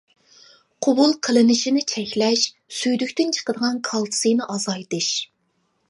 قوبۇل قىلىنىشىنى چەكلەش، سۈيدۈكتىن چىقىدىغان كالتسىينى ئازايتىش.